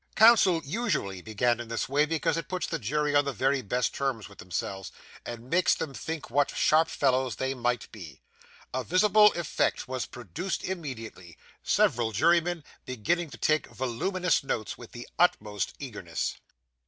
Counsel usually begin in this way, because it puts the jury on the very best terms with themselves, and makes them think what sharp fellows they must be. A visible effect was produced immediately, several jurymen beginning to take voluminous notes with the utmost eagerness.